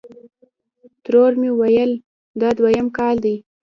ترور مې ویل: دا دویم کال دی.